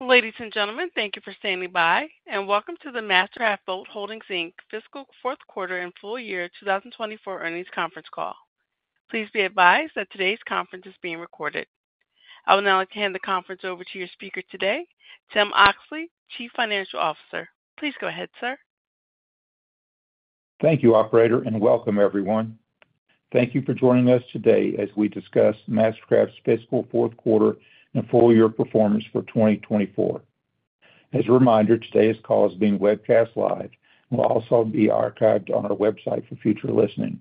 Ladies and gentlemen, thank you for standing by, and welcome to the MasterCraft Boat Holdings, Inc. Fiscal Fourth Quarter and Full Year 2024 Earnings Conference Call. Please be advised that today's conference is being recorded. I will now hand the conference over to your speaker today, Tim Oxley, Chief Financial Officer. Please go ahead, sir. Thank you, operator, and welcome everyone. Thank you for joining us today as we discuss MasterCraft's fiscal fourth quarter and full year performance for 2024. As a reminder, today's call is being webcast live and will also be archived on our website for future listening.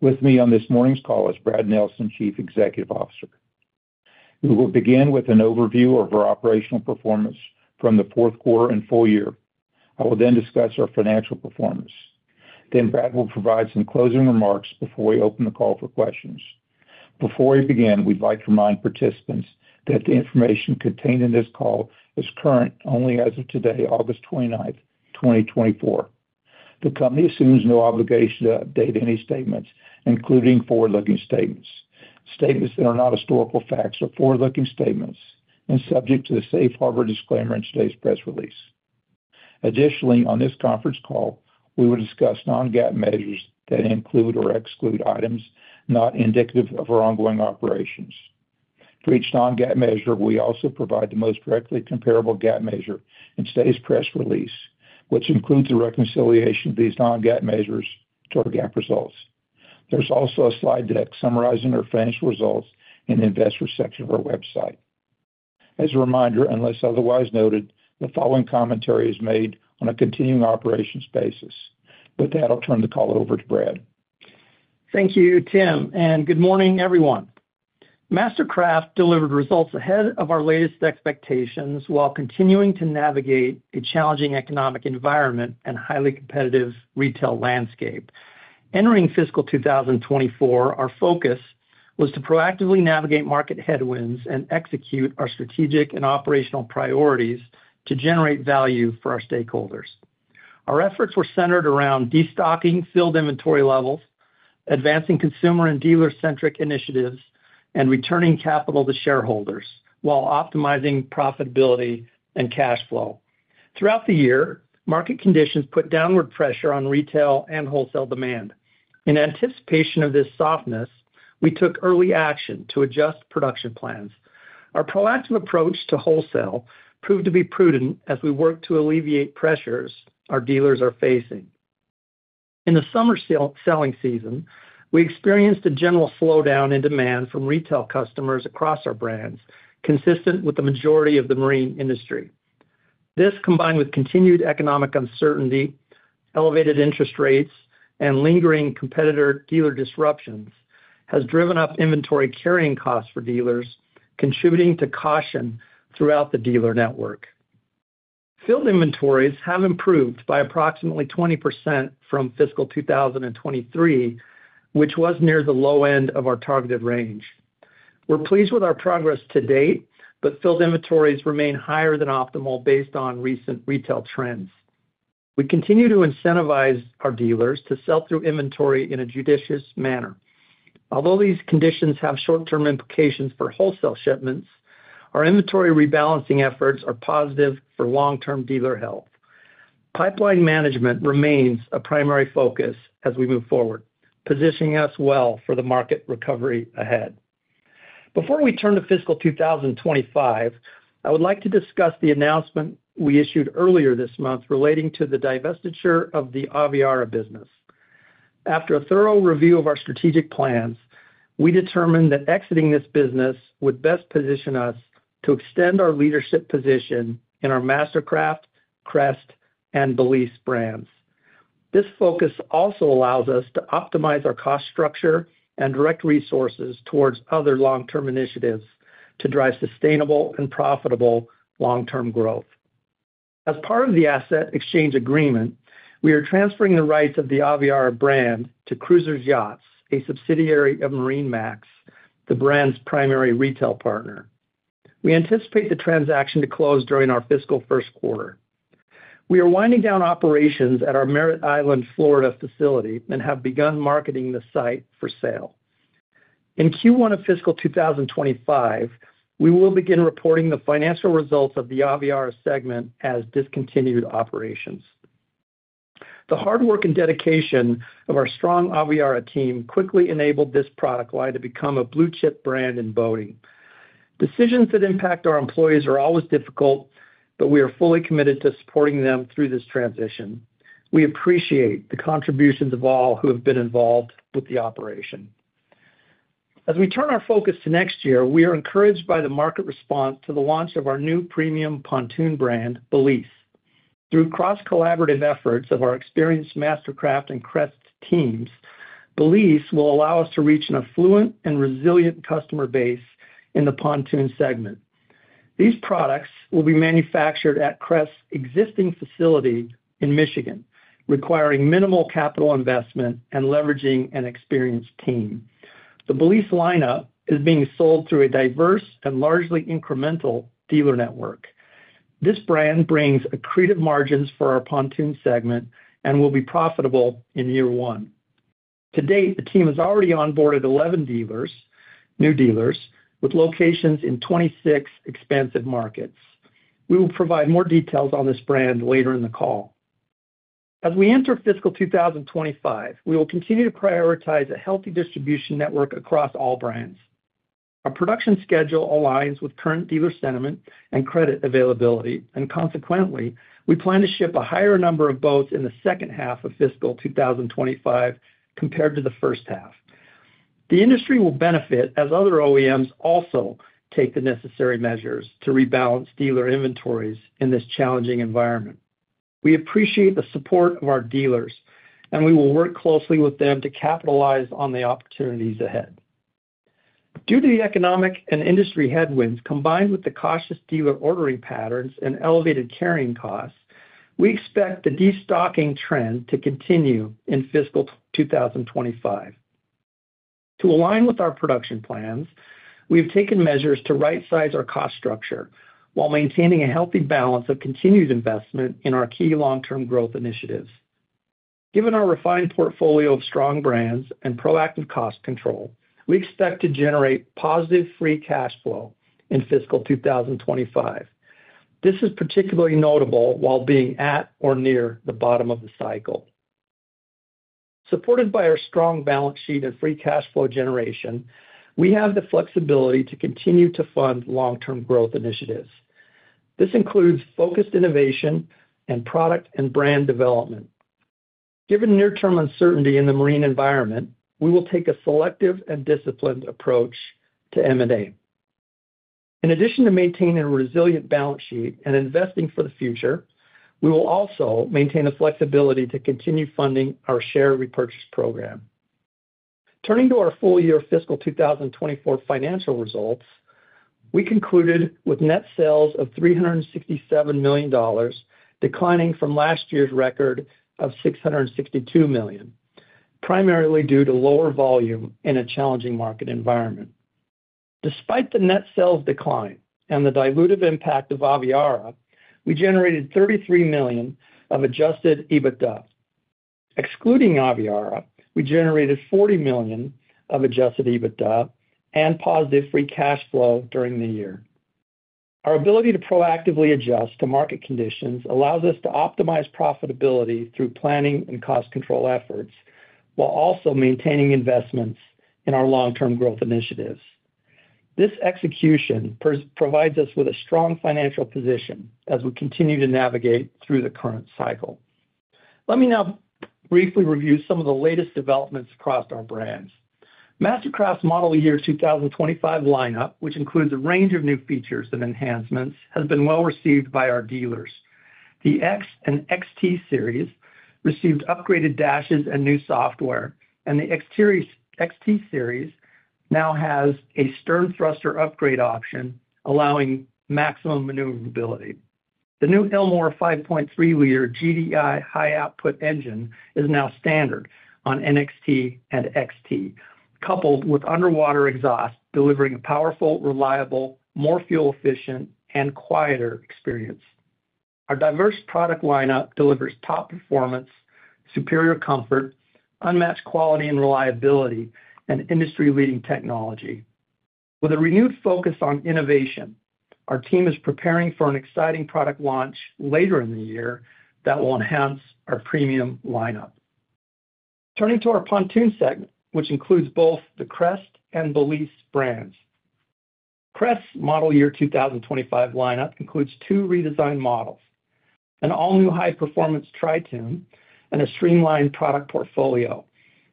With me on this morning's call is Brad Nelson, Chief Executive Officer. We will begin with an overview of our operational performance from the fourth quarter and full year. I will then discuss our financial performance. Then Brad will provide some closing remarks before we open the call for questions. Before we begin, we'd like to remind participants that the information contained in this call is current only as of today, August 29, 2024. The company assumes no obligation to update any statements, including forward-looking statements. Statements that are not historical facts are forward-looking statements and subject to the safe harbor disclaimer in today's press release. Additionally, on this conference call, we will discuss non-GAAP measures that include or exclude items not indicative of our ongoing operations. For each non-GAAP measure, we also provide the most directly comparable GAAP measure in today's press release, which includes a reconciliation of these non-GAAP measures to our GAAP results. There's also a slide deck summarizing our financial results in the investor section of our website. As a reminder, unless otherwise noted, the following commentary is made on a continuing operations basis. With that, I'll turn the call over to Brad. Thank you, Tim, and good morning, everyone. MasterCraft delivered results ahead of our latest expectations while continuing to navigate a challenging economic environment and highly competitive retail landscape. Entering fiscal 2024, our focus was to proactively navigate market headwinds and execute our strategic and operational priorities to generate value for our stakeholders. Our efforts were centered around destocking field inventory levels, advancing consumer and dealer-centric initiatives, and returning capital to shareholders while optimizing profitability and cash flow. Throughout the year, market conditions put downward pressure on retail and wholesale demand. In anticipation of this softness, we took early action to adjust production plans. Our proactive approach to wholesale proved to be prudent as we worked to alleviate pressures our dealers are facing. In the summer selling season, we experienced a general slowdown in demand from retail customers across our brands, consistent with the majority of the marine industry. This, combined with continued economic uncertainty, elevated interest rates, and lingering competitor dealer disruptions, has driven up inventory carrying costs for dealers, contributing to caution throughout the dealer network. Field inventories have improved by approximately 20% from fiscal 2023, which was near the low end of our targeted range. We're pleased with our progress to date, but field inventories remain higher than optimal based on recent retail trends. We continue to incentivize our dealers to sell through inventory in a judicious manner. Although these conditions have short-term implications for wholesale shipments, our inventory rebalancing efforts are positive for long-term dealer health. Pipeline management remains a primary focus as we move forward, positioning us well for the market recovery ahead. Before we turn to fiscal 2025, I would like to discuss the announcement we issued earlier this month relating to the divestiture of the Aviara business. After a thorough review of our strategic plans, we determined that exiting this business would best position us to extend our leadership position in our MasterCraft, Crest, and Balise brands. This focus also allows us to optimize our cost structure and direct resources towards other long-term initiatives to drive sustainable and profitable long-term growth. As part of the asset exchange agreement, we are transferring the rights of the Aviara brand to Cruisers Yachts, a subsidiary of MarineMax, the brand's primary retail partner. We anticipate the transaction to close during our fiscal first quarter. We are winding down operations at our Merritt Island, Florida, facility and have begun marketing the site for sale. In Q1 of fiscal 2025, we will begin reporting the financial results of the Aviara segment as discontinued operations. The hard work and dedication of our strong Aviara team quickly enabled this product line to become a blue-chip brand in boating. Decisions that impact our employees are always difficult, but we are fully committed to supporting them through this transition. We appreciate the contributions of all who have been involved with the operation. As we turn our focus to next year, we are encouraged by the market response to the launch of our new premium pontoon brand, Balise. Through cross-collaborative efforts of our experienced MasterCraft and Crest teams, Balise will allow us to reach an affluent and resilient customer base in the pontoon segment. These products will be manufactured at Crest's existing facility in Michigan, requiring minimal capital investment and leveraging an experienced team. The Balise lineup is being sold through a diverse and largely incremental dealer network. This brand brings accretive margins for our pontoon segment and will be profitable in year one. To date, the team has already onboarded 11 dealers, new dealers, with locations in 26 expansive markets. We will provide more details on this brand later in the call. As we enter fiscal 2025, we will continue to prioritize a healthy distribution network across all brands. Our production schedule aligns with current dealer sentiment and credit availability, and consequently, we plan to ship a higher number of boats in the second half of fiscal 2025 compared to the first half. The industry will benefit as other OEMs also take the necessary measures to rebalance dealer inventories in this challenging environment. We appreciate the support of our dealers, and we will work closely with them to capitalize on the opportunities ahead. Due to the economic and industry headwinds, combined with the cautious dealer ordering patterns and elevated carrying costs, we expect the destocking trend to continue in fiscal 2025. To align with our production plans, we have taken measures to rightsize our cost structure while maintaining a healthy balance of continued investment in our key long-term growth initiatives. Given our refined portfolio of strong brands and proactive cost control, we expect to generate positive free cash flow in fiscal 2025. This is particularly notable while being at or near the bottom of the cycle. Supported by our strong balance sheet and free cash flow generation, we have the flexibility to continue to fund long-term growth initiatives. This includes focused innovation and product and brand development. Given near-term uncertainty in the marine environment, we will take a selective and disciplined approach to M&A. In addition to maintaining a resilient balance sheet and investing for the future, we will also maintain the flexibility to continue funding our share repurchase program. Turning to our full-year fiscal 2024 financial results, we concluded with net sales of $367 million, declining from last year's record of $662 million, primarily due to lower volume in a challenging market environment. Despite the net sales decline and the dilutive impact of Aviara, we generated $33 million of adjusted EBITDA. Excluding Aviara, we generated $40 million of adjusted EBITDA and positive free cash flow during the year. Our ability to proactively adjust to market conditions allows us to optimize profitability through planning and cost control efforts, while also maintaining investments in our long-term growth initiatives. This execution provides us with a strong financial position as we continue to navigate through the current cycle. Let me now briefly review some of the latest developments across our brands. MasterCraft's model year 2025 lineup, which includes a range of new features and enhancements, has been well received by our dealers. The X and XT Series received upgraded dashes and new software, and the XT Series now has a stern thruster upgrade option, allowing maximum maneuverability. The new Ilmor 5.3L GDI high-output engine is now standard on NXT and XT, coupled with underwater exhaust, delivering a powerful, reliable, more fuel-efficient, and quieter experience. Our diverse product lineup delivers top performance, superior comfort, unmatched quality and reliability, and industry-leading technology. With a renewed focus on innovation, our team is preparing for an exciting product launch later in the year that will enhance our premium lineup. Turning to our pontoon segment, which includes both the Crest and Balise brands. Crest's model year 2025 lineup includes two redesigned models, an all-new high-performance tritoon, and a streamlined product portfolio.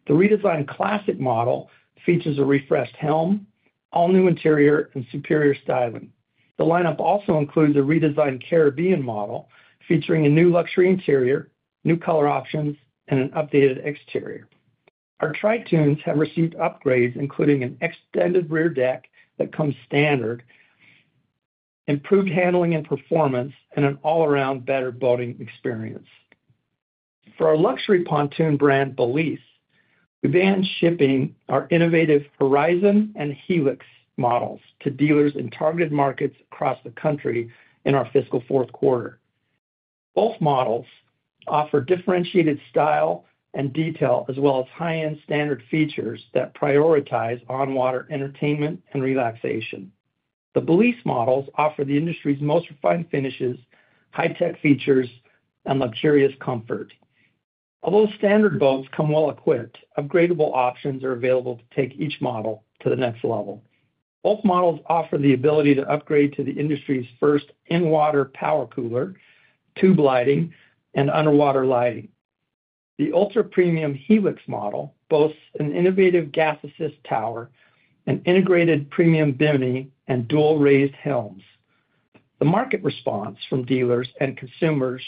The redesigned Classic model features a refreshed helm, all-new interior, and superior styling. The lineup also includes a redesigned Caribbean model, featuring a new luxury interior, new color options, and an updated exterior. Our tritoons have received upgrades, including an extended rear deck that comes standard, improved handling and performance, and an all-around better boating experience. For our luxury pontoon brand, Balise, we began shipping our innovative Horizon and Helix models to dealers in targeted markets across the country in our fiscal fourth quarter. Both models offer differentiated style and detail, as well as high-end standard features that prioritize on-water entertainment and relaxation. The Balise models offer the industry's most refined finishes, high-tech features, and luxurious comfort. Although standard boats come well-equipped, upgradable options are available to take each model to the next level. Both models offer the ability to upgrade to the industry's first in-water power cooler, tube lighting, and underwater lighting. The ultra-premium Helix model boasts an innovative gas-assist tower, an integrated premium bimini, and dual raised helms. The market response from dealers and consumers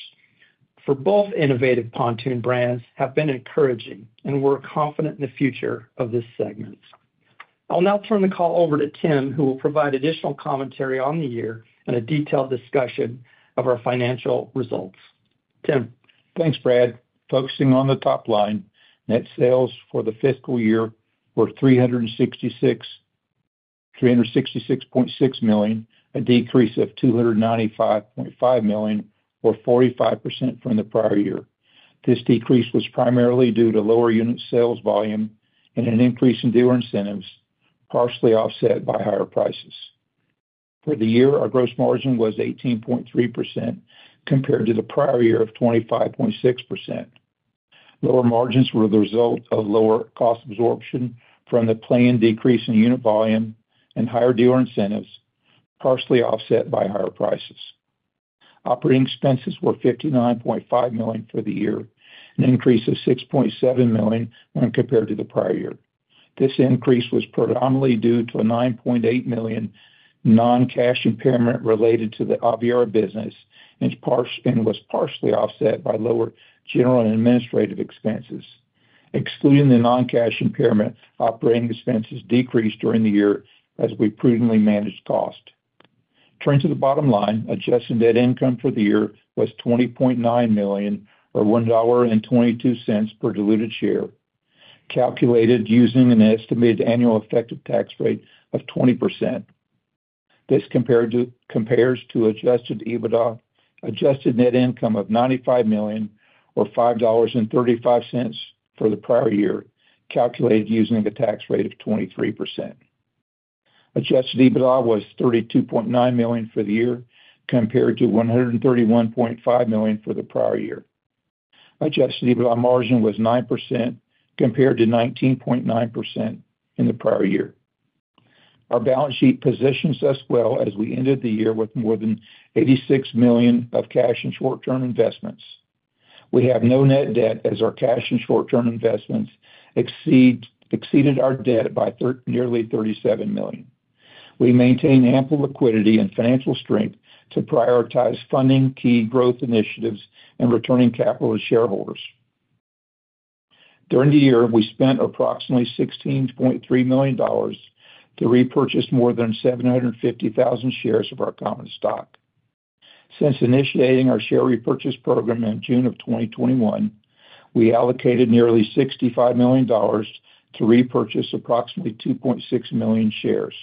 for both innovative pontoon brands have been encouraging, and we're confident in the future of this segment. I'll now turn the call over to Tim, who will provide additional commentary on the year and a detailed discussion of our financial results. Tim? Thanks, Brad. Focusing on the top line, net sales for the fiscal year were $366.6 million, a decrease of $295.5 million, or 45% from the prior year. This decrease was primarily due to lower unit sales volume and an increase in dealer incentives, partially offset by higher prices. For the year, our gross margin was 18.3% compared to the prior year of 25.6%. Lower margins were the result of lower cost absorption from the planned decrease in unit volume and higher dealer incentives, partially offset by higher prices. Operating expenses were $59.5 million for the year, an increase of $6.7 million when compared to the prior year. This increase was predominantly due to a $9.8 million non-cash impairment related to the Aviara business, and was partially offset by lower general and administrative expenses. Excluding the non-cash impairment, operating expenses decreased during the year as we prudently managed cost. Turning to the bottom line, adjusted net income for the year was $20.9 million, or $1.22 per diluted share, calculated using an estimated annual effective tax rate of 20%. This compares to adjusted net income of $95 million, or $5.35 for the prior year, calculated using a tax rate of 23%. Adjusted EBITDA was $32.9 million for the year, compared to $131.5 million for the prior year. Adjusted EBITDA margin was 9% compared to 19.9% in the prior year. Our balance sheet positions us well as we ended the year with more than $86 million of cash and short-term investments. We have no net debt as our cash and short-term investments exceeded our debt by nearly $37 million. We maintain ample liquidity and financial strength to prioritize funding key growth initiatives and returning capital to shareholders. During the year, we spent approximately $16.3 million to repurchase more than 750,000 shares of our common stock. Since initiating our share repurchase program in June of 2021, we allocated nearly $65 million to repurchase approximately 2.6 million shares.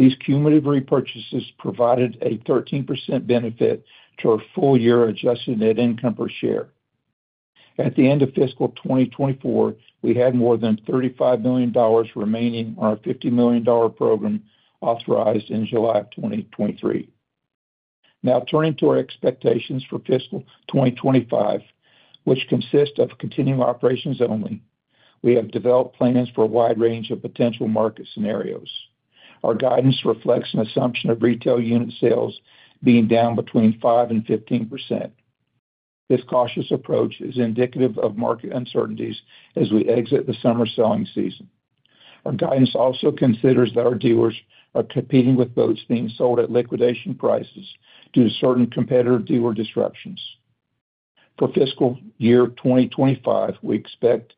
These cumulative repurchases provided a 13% benefit to our full year adjusted net income per share. At the end of fiscal 2024, we had more than $35 million remaining on our $50 million program, authorized in July 2023. Now, turning to our expectations for fiscal 2025, which consist of continuing operations only. We have developed plans for a wide range of potential market scenarios. Our guidance reflects an assumption of retail unit sales being down between 5% and 15%. This cautious approach is indicative of market uncertainties as we exit the summer selling season. Our guidance also considers that our dealers are competing with boats being sold at liquidation prices due to certain competitor dealer disruptions. For fiscal year 2025, we expect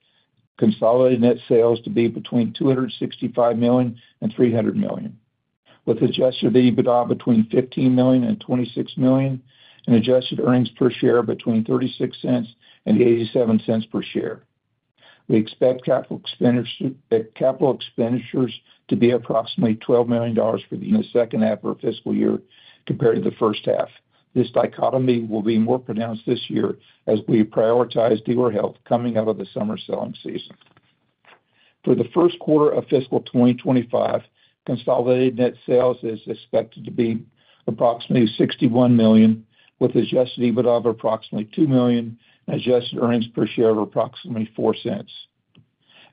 consolidated net sales to be between $265 million and $300 million, with Adjusted EBITDA between $15 million and $26 million, and adjusted earnings per share between $0.36 and $0.87 per share. We expect capital expenditure, capital expenditures to be approximately $12 million for the second half of our fiscal year compared to the first half. This dichotomy will be more pronounced this year as we prioritize dealer health coming out of the summer selling season. For the first quarter of fiscal 2025, consolidated net sales is expected to be approximately $61 million, with Adjusted EBITDA of approximately $2 million and adjusted earnings per share of approximately $0.04.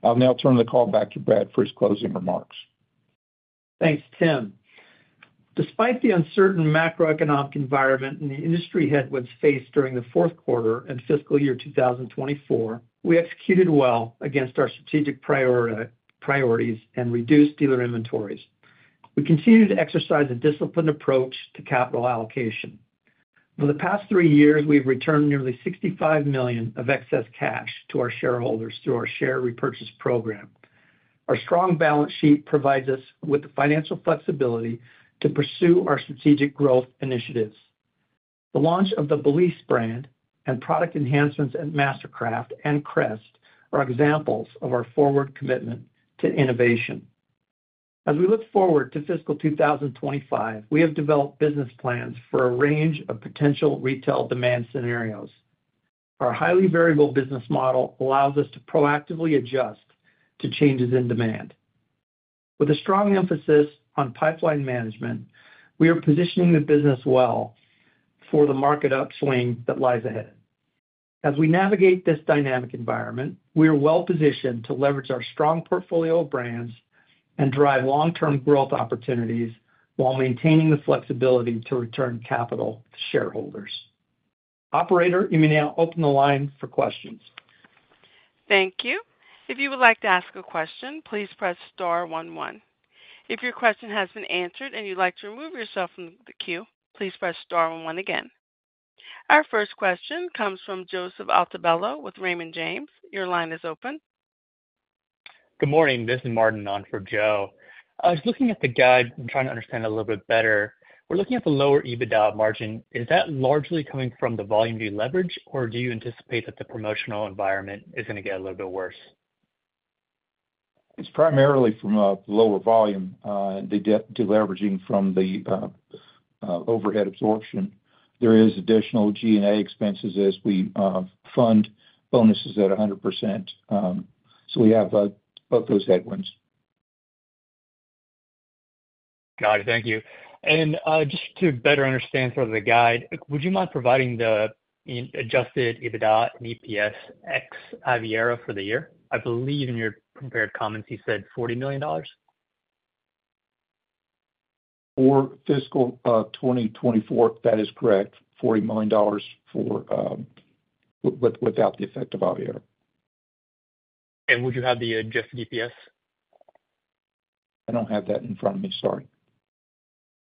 I'll now turn the call back to Brad for his closing remarks. Thanks, Tim. Despite the uncertain macroeconomic environment and the industry headwinds faced during the fourth quarter and fiscal year 2024, we executed well against our strategic priorities and reduced dealer inventories. We continue to exercise a disciplined approach to capital allocation. For the past three years, we've returned nearly $65 million of excess cash to our shareholders through our share repurchase program. Our strong balance sheet provides us with the financial flexibility to pursue our strategic growth initiatives. The launch of the Balise brand and product enhancements at MasterCraft and Crest are examples of our forward commitment to innovation. As we look forward to fiscal 2025, we have developed business plans for a range of potential retail demand scenarios. Our highly variable business model allows us to proactively adjust to changes in demand. With a strong emphasis on pipeline management, we are positioning the business well for the market upswing that lies ahead. As we navigate this dynamic environment, we are well positioned to leverage our strong portfolio of brands and drive long-term growth opportunities while maintaining the flexibility to return capital to shareholders. Operator, you may now open the line for questions. Thank you. If you would like to ask a question, please press star one one. If your question has been answered and you'd like to remove yourself from the queue, please press star one one again. Our first question comes from Joseph Altobello with Raymond James. Your line is open. Good morning. This is Martin on for Joe. I was looking at the guide and trying to understand a little bit better. We're looking at the lower EBITDA margin. Is that largely coming from the volume you leverage, or do you anticipate that the promotional environment is going to get a little bit worse? It's primarily from a lower volume, the deleveraging from the overhead absorption. There is additional G&A expenses as we fund bonuses at 100%. So we have both those headwinds. Got it. Thank you. And, just to better understand sort of the guide, would you mind providing the Adjusted EBITDA and EPS ex Aviara for the year? I believe in your prepared comments, you said $40 million. For fiscal 2024, that is correct. $40 million without the effect of Aviara. Would you have the adjusted EPS? I don't have that in front of me. Sorry.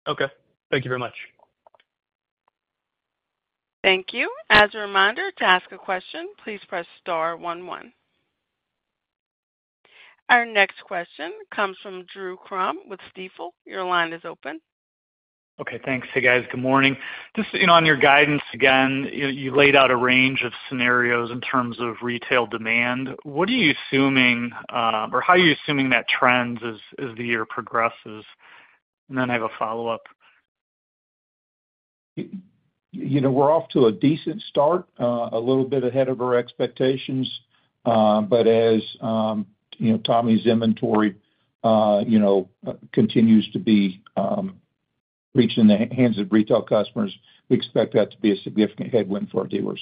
Okay. Thank you very much. Thank you. As a reminder, to ask a question, please press star one one. Our next question comes from Drew Crum with Stifel. Your line is open. Okay, thanks. Hey, guys, good morning. Just, you know, on your guidance again, you laid out a range of scenarios in terms of retail demand. What are you assuming, or how are you assuming that trends as the year progresses? And then I have a follow-up. You know, we're off to a decent start, a little bit ahead of our expectations. But as you know, Tommy's inventory continues to be reached in the hands of retail customers, we expect that to be a significant headwind for our dealers.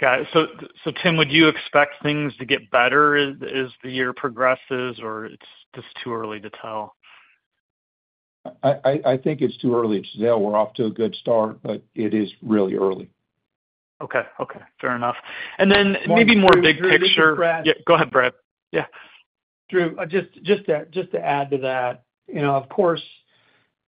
Got it. So, Tim, would you expect things to get better as the year progresses, or it's just too early to tell? I think it's too early to tell. We're off to a good start, but it is really early. Okay. Fair enough, and then maybe more big picture- Drew, Drew- Yeah, go ahead, Brad. Yeah. Drew, just to add to that, you know, of course,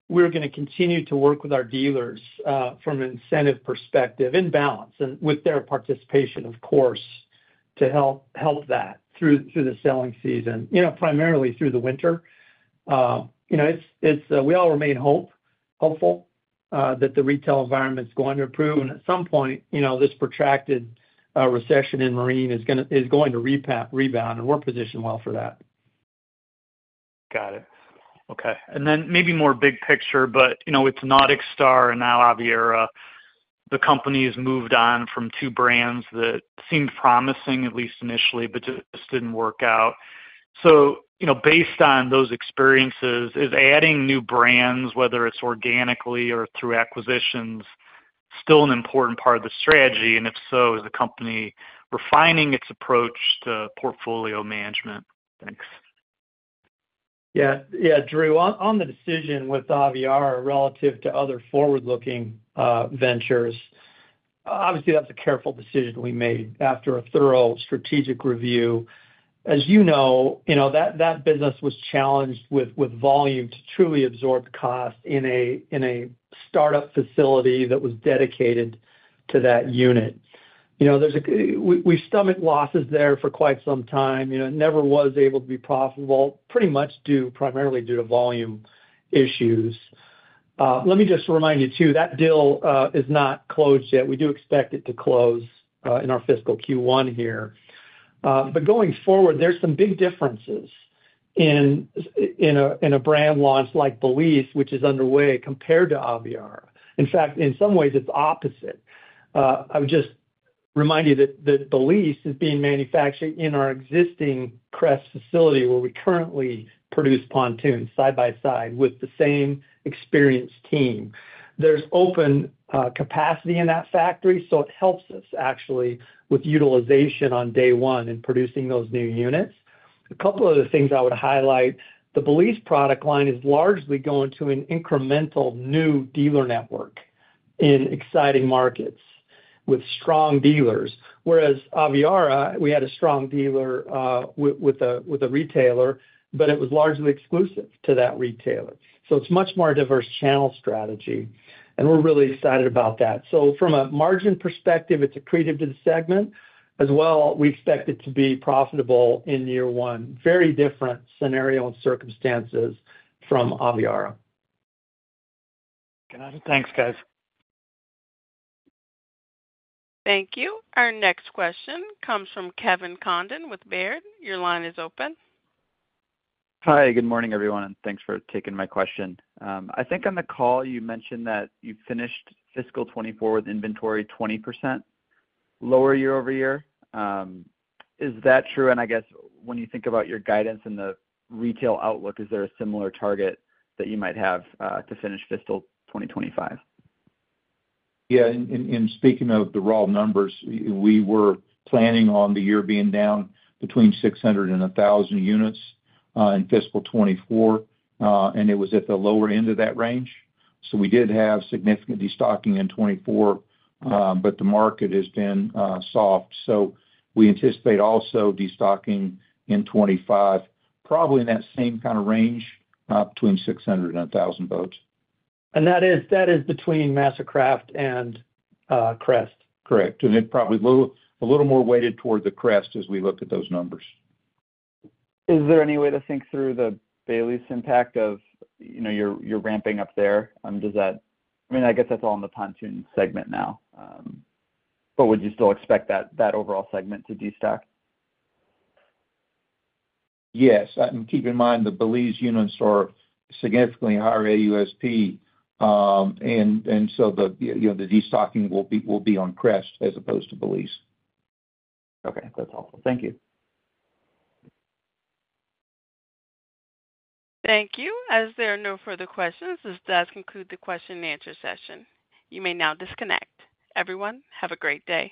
we're gonna continue to work with our dealers from an incentive perspective, in balance, and with their participation, of course, to help that through the selling season, you know, primarily through the winter. You know, we all remain hopeful that the retail environment's going to improve, and at some point, you know, this protracted recession in marine is gonna rebound, and we're positioned well for that. Got it. Okay. And then maybe more big picture, but, you know, with NauticStar and now Aviara, the company has moved on from two brands that seemed promising, at least initially, but just didn't work out. So, you know, based on those experiences, is adding new brands, whether it's organically or through acquisitions, still an important part of the strategy? And if so, is the company refining its approach to portfolio management? Thanks. Yeah. Yeah, Drew, on the decision with Aviara relative to other forward-looking ventures, obviously, that's a careful decision we made after a thorough strategic review. As you know, that business was challenged with volume to truly absorb cost in a start-up facility that was dedicated to that unit. You know, there's a, we stomached losses there for quite some time. You know, it never was able to be profitable, pretty much due primarily to volume issues. Let me just remind you, too, that deal is not closed yet. We do expect it to close in our fiscal Q1 here. But going forward, there's some big differences in a brand launch like Balise, which is underway, compared to Aviara. In fact, in some ways it's opposite. I would just remind you that Balise is being manufactured in our existing Crest facility, where we currently produce pontoons side by side with the same experienced team. There's open capacity in that factory, so it helps us actually with utilization on day one in producing those new units. A couple other things I would highlight, the Balise product line is largely going to an incremental new dealer network in exciting markets with strong dealers. Whereas Aviara, we had a strong dealer with a retailer, but it was largely exclusive to that retailer. So it's a much more diverse channel strategy, and we're really excited about that. So from a margin perspective, it's accretive to the segment. As well, we expect it to be profitable in year one. Very different scenario and circumstances from Aviara. Got it. Thanks, guys. Thank you. Our next question comes from Kevin Condon with Baird. Your line is open. Hi, good morning, everyone, and thanks for taking my question. I think on the call you mentioned that you finished fiscal 2024 with inventory 20% lower year over year. Is that true? And I guess, when you think about your guidance and the retail outlook, is there a similar target that you might have, to finish fiscal 2025? Yeah, in speaking of the raw numbers, we were planning on the year being down between six hundred and a thousand units in fiscal 2024, and it was at the lower end of that range. So we did have significant destocking in 2024, but the market has been soft. So we anticipate also destocking in 2025, probably in that same kind of range, between 600 and a 1000 boats. That is between MasterCraft and Crest. Correct. And then probably a little more weighted toward the Crest as we look at those numbers. Is there any way to think through the Balise impact of, you know, you're ramping up there? Does that I mean, I guess that's all in the pontoon segment now, but would you still expect that overall segment to destock? Yes, keep in mind, the Balise units are significantly higher AUSP, and so the, you know, the destocking will be on Crest as opposed to Balise. Okay. That's helpful. Thank you. Thank you. As there are no further questions, this does conclude the question and answer session. You may now disconnect. Everyone, have a great day.